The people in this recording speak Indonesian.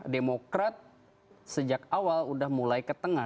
demokrat sejak awal sudah mulai ke tengah